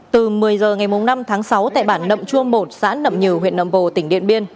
từ một mươi h ngày năm tháng sáu tại bản nậm chua một xã nậm nhừ huyện nầm pồ tỉnh điện biên